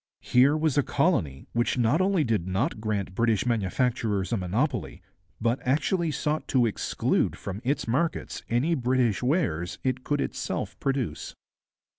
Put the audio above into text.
Here was a colony which not only did not grant British manufacturers a monopoly, but actually sought to exclude from its markets any British wares it could itself produce.